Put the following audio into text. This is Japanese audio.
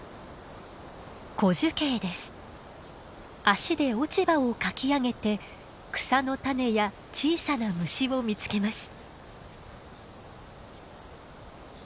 足で落ち葉をかき上げて草の種や小さな虫を見つけます。